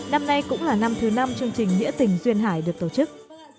năm nay cũng là năm thứ năm chương trình nghĩa tình duyên hải được tổ chức